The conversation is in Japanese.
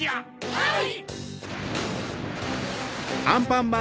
はい！